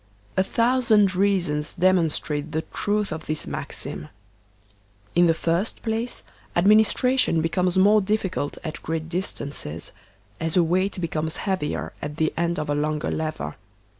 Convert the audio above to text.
A thousand reasons demonstrate the trath of this maxim. In the first place, administration becomes more difficult at great distances, as a weight becomes heavier at the end of a longer lever.